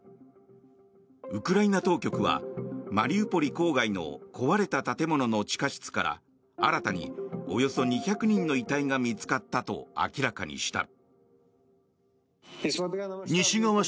ウクライナ当局はマリウポリ郊外の壊れた建物の地下室から新たにおよそ２００人の遺体が見つかったと明らかにした。